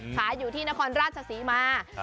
ขายอยู่ที่นครราชศรีมา